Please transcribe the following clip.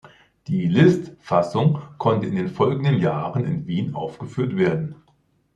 Die Liszt-Fassung konnte in den folgenden Jahren in Wien aufgeführt werden.